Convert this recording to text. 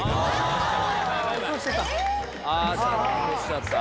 あぁ落としちゃった。